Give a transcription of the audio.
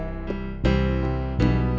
aku mau ke tempat usaha